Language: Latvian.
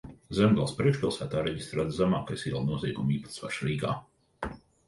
Zemgales priekšpilsētā reģistrēts zemākais ielu noziegumu īpatsvars Rīgā.